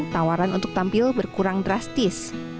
tawaran untuk tampil berkurang drastis